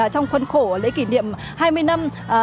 trong khuân khổ lễ kỷ niệm hai mươi năm